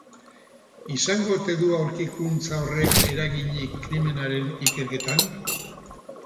Izango ote du aurkikuntza horrek eraginik krimenaren ikerketan?